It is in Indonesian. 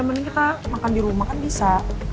mendingan kita makan di rumah kan bisa